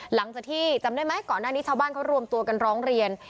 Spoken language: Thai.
หลังจากที่จำได้ไหมก่อนหน้านี้ชาวบ้านเขารวมตัวกันร้องเรียน